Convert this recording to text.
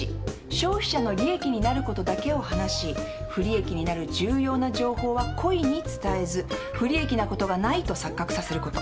消費者の利益になることだけを話し不利益になる重要な情報は故意に伝えず不利益なことがないと錯覚させること。